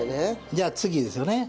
じゃあ次ですよね。